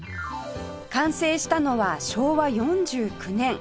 完成したのは昭和４９年